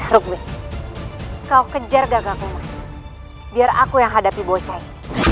rukmin kau kejar gagakul mayu biar aku yang hadapi bocah ini